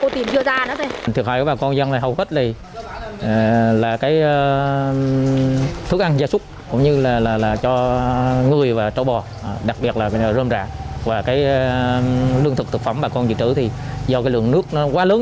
thức ăn gia súc ngươi và trổ bò đặc biệt là rơm rạ lương thực thực phẩm bà con dịch trữ do lượng nước quá lớn